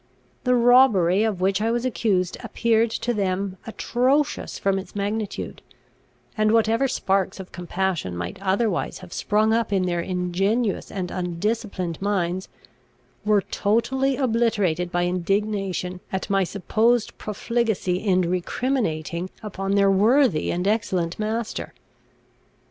The robbery of which I was accused appeared to them atrocious from its magnitude; and whatever sparks of compassion might otherwise have sprung up in their ingenuous and undisciplined minds, were totally obliterated by indignation at my supposed profligacy in recriminating upon their worthy and excellent master.